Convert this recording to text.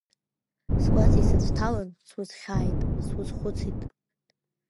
Сгәаҵа исыцәҭалан, сузхьааит, сузхәыцит.